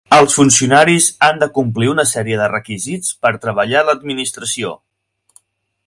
Els funcionaris han de complir una sèrie de requisits per treballar a l'administració